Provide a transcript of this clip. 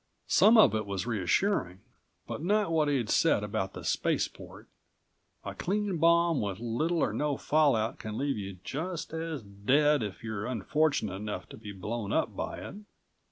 Some of it was reassuring, but not what he'd said about the spaceport. A clean bomb with little or no fallout can leave you just as dead if you're unfortunate enough to be blown up by it.